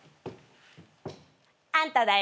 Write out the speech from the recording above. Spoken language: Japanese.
あんただよ。